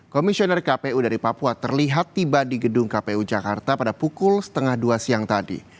komisioner kpu dari papua terlihat tiba di gedung kpu jakarta pada pukul setengah dua siang tadi